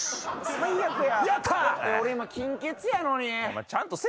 最悪や。